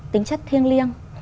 tính chất thiêng liêng